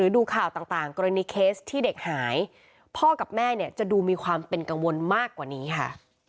ดูข่าวต่างกรณีเคสที่เด็กหายพ่อกับแม่เนี่ยจะดูมีความเป็นกังวลมากกว่านี้ค่ะ